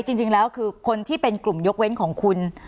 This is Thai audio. จริงแล้วคือคนที่เป็นกลุ่มยกเว้นของคุณ